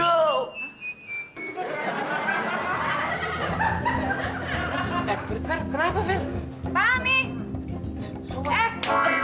ap ocurre perintah namanya